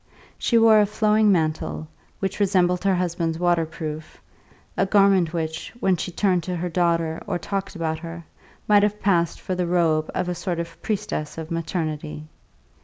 She wore a flowing mantle, which resembled her husband's waterproof a garment which, when she turned to her daughter or talked about her, might have passed for the robe of a sort of priestess of maternity.